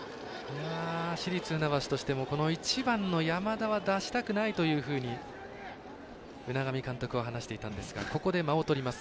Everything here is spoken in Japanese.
市立船橋としても１番の山田は出したくないというふうに海上監督は話していたんですがここで、間をとります。